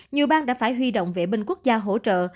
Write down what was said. nhiều bang đã phải huy động vệ binh quốc gia hỗ trợ